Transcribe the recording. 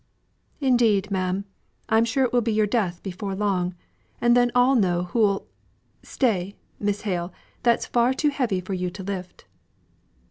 "Indeed, ma'am, I'm sure it will be your death before long, and then I know who'll stay! Miss Hale, that's far too heavy for you to lift."